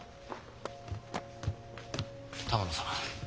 玉乃さん。